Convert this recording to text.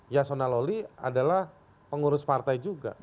yasona loli adalah pengurus partai juga